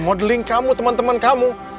modeling kamu teman teman kamu